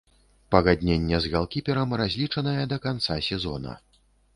Пагадненне з галкіперам разлічанае да канца сезона.